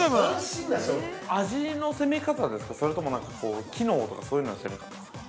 ◆味の攻め方ですか、それとも機能とかそういうのですか。